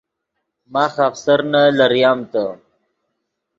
ماخ آفسرنے لریم تے